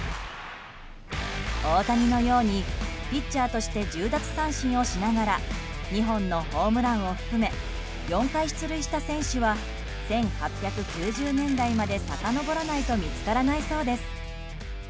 大谷のようにピッチャーとして１０奪三振をしながら２本のホームランを含め４回出塁した選手は１９８０年代までさかのぼらないと見つからないそうです。